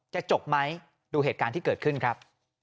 จบไหมดูเหตุการณ์ที่เกิดขึ้นครับ